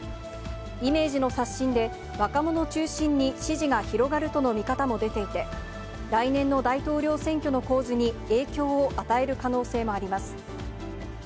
イメージの刷新で、若者中心に支持が広がるとの見方も出ていて、来年の大統領選挙の構図に影響を与える可能性もあります。